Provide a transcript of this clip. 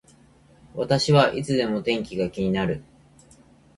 私はいつでも天気が気になる